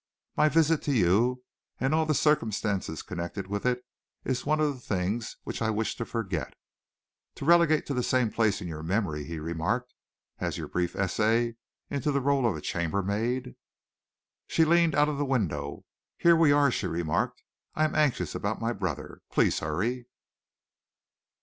My visit to you, and all the circumstances connected with it, is one of the things which I wish to forget." "To relegate to the same place in your memory," he remarked, "as your brief essay in the rôle of a chambermaid." She leaned out of the window. "Here we are," she remarked. "I am anxious about my brother. Please hurry."